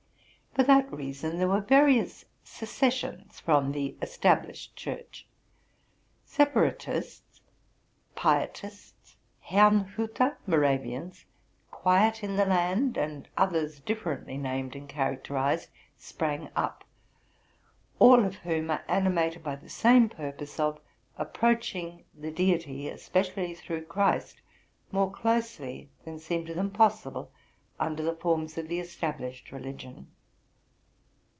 For that rea son, there were various secessions from the Established Church. Separatists, Pietists, Herrmhuter (Moravians), Quiet in the Land, and others differently named and charac terized, sprang up, all of whom are animated by the same purpose of approaching the Deity, especially through Christ, more closely than seemed to them possible under the forms of the established religion.